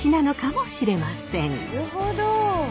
なるほど！